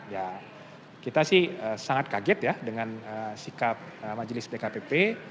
ya kita sih sangat kaget ya dengan sikap majelis dkpp